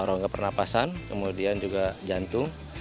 rongga pernapasan kemudian juga jantung